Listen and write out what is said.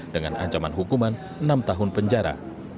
dengan ancaman hukuman enam tahun penjara